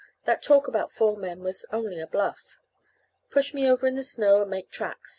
That talk about four men was only a bluff. Push me over in the snow and make tracks.